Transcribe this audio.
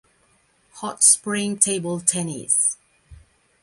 Hot Spring Table Tennis!!